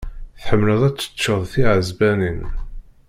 Tḥemmleḍ ad teččeḍ tiɛesbanin.